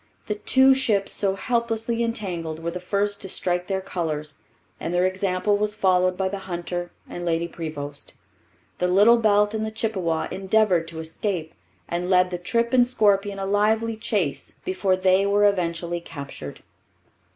The two ships so helplessly entangled were the first to strike their colours, and their example was followed by the Hunter and Lady Prevost. The Little Belt and the Chippewa endeavoured to escape, and led the Trippe and Scorpion a lively chase before they were eventually captured.